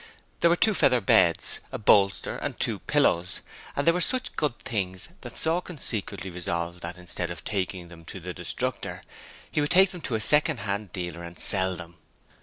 There were two feather beds, a bolster and two pillows: they were such good things that Sawkins secretly resolved that instead of taking them to the Destructor he would take them to a second hand dealer and sell them.